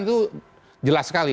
gibran itu jelas sekali